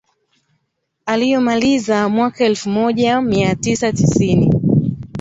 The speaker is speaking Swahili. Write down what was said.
Aliyomaliza mwaka elfu moja mia tisa tisini